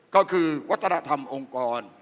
ก็คือวัฒนธรรมองค์กร